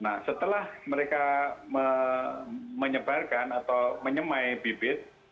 nah setelah mereka menyebarkan atau menyemai bibit